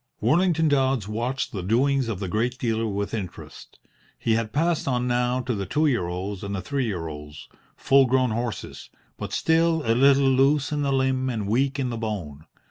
Worlington Dodds watched the doings of the great dealer with interest. He had passed on now to the two year olds and three year olds, full grown horses, but still a little loose in the limb and weak in the bone.